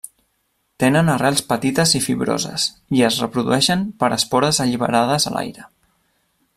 Tenen arrels petites i fibroses i es reprodueixen per espores alliberades a l'aire.